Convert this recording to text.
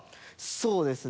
そうですね。